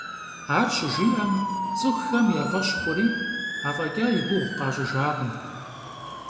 Ар щыжиӀэм, цӀыхухэм я фӀэщ хъури, афӀэкӀа и гугъу къащӀыжакъым.